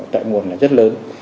tại nguồn là rất lớn